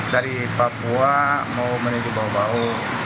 dari papua mau menuju bawu bawu